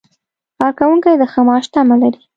کارکوونکي د ښه معاش تمه لري.